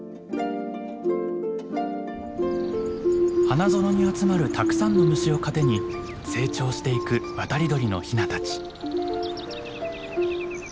花園に集まるたくさんの虫を糧に成長していく渡り鳥のヒナたち。